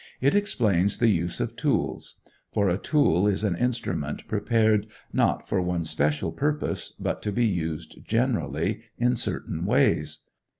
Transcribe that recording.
It explains the use of tools; for a tool is an instrument prepared, not for one special purpose, but to be used generally, in certain ways.